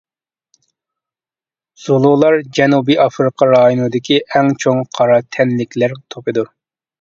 زۇلۇلار جەنۇبىي ئافرىقا رايونىدىكى ئەڭ چوڭ قارا تەنلىكلەر توپىدۇر.